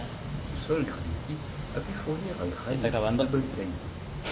Le sous-sol granitique a pu fournir un granite de bonne qualité.